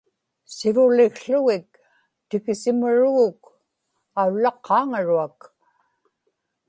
sivulikługik tikisimaruguk aullaqqaaŋaruak